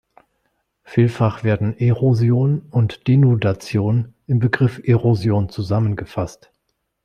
Vielfach werden Erosion und Denudation im Begriff Erosion zusammengefasst.